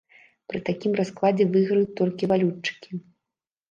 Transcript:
Пры такім раскладзе выйграюць толькі валютчыкі.